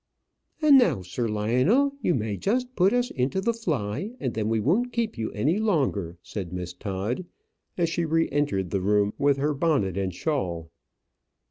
"And now, Sir Lionel, you may just put us into the fly, and then we won't keep you any longer," said Miss Todd, as she re entered the room with her bonnet and shawl.